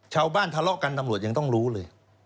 ทะเลาะกันตำรวจยังต้องรู้เลย